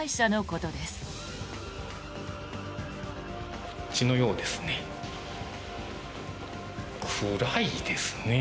こっちのようですね。